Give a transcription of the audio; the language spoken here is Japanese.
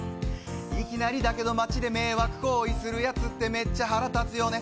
いきなりだけど、街で迷惑行為するやつってめっちゃ腹立つよね。